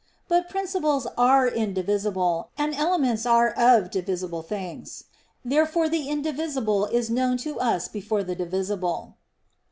But principles are indivisible, and elements are of divisible things. Therefore the indivisible is known to us before the divisible.